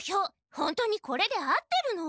本当にこれで合ってるの？